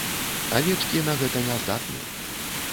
Авечкі на гэта не здатны.